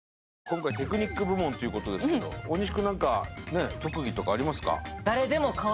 今回テクニック部門ということですけど大西くん特技とかありますか？